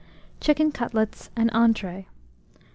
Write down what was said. CHICKEN CUTLETS (an Entree). 926.